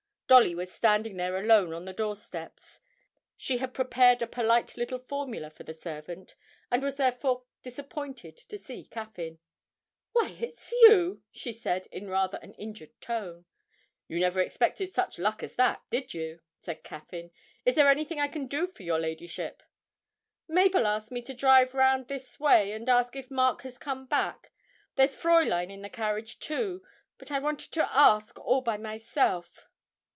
Dolly was standing there alone on the doorsteps. She had prepared a polite little formula for the servant, and was therefore disappointed to see Caffyn. 'Why, it's you!' she said, in rather an injured tone. 'You never expected such luck as that, did you?' said Caffyn. 'Is there anything I can do for your ladyship?' 'Mabel asked me to drive round this way and ask if Mark has come back. There's Fräulein in the carriage too, but I wanted to ask all by myself.'